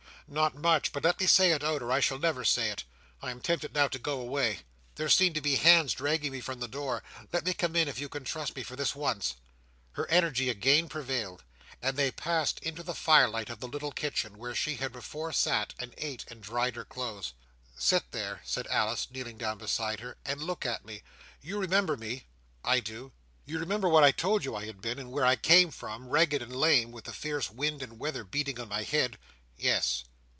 "Not much, but let me say it out, or I shall never say it. I am tempted now to go away. There seem to be hands dragging me from the door. Let me come in, if you can trust me for this once!" Her energy again prevailed, and they passed into the firelight of the little kitchen, where she had before sat, and ate, and dried her clothes. "Sit there," said Alice, kneeling down beside her, "and look at me. You remember me?" "I do." "You remember what I told you I had been, and where I came from, ragged and lame, with the fierce wind and weather beating on my head?" "Yes."